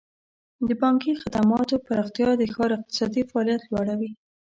د بانکي خدماتو پراختیا د ښار اقتصادي فعالیت لوړوي.